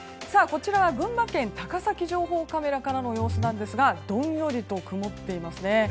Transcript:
こちらは群馬県高崎情報カメラからの様子ですがどんよりと曇っていますね。